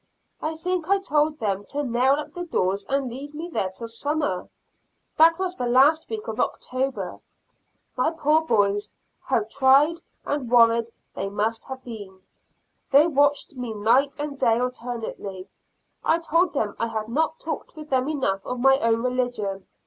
I think I told them to nail up the doors and leave me there till summer. That was the last week of October. My poor boys, how tried and worried they must have been. They watched me night and day alternately. I told them I had not talked with them enough of my own religion.